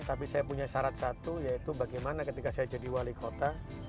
tapi saya punya syarat satu yaitu bagaimana ketika saya jadi wali kota